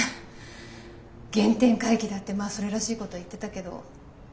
原点回帰だってまあそれらしいことは言ってたけど。